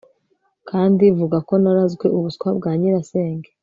kandi vuga ko narazwe ubuswa bwa nyirasenge